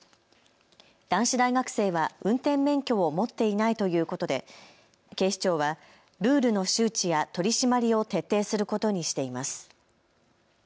男子大学生は運転免許を持っていないということで警視庁はルールの周知や取締りを徹底することにしています。